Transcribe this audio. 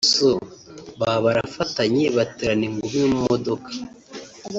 so baba barafatany baterana ingumi mu modoka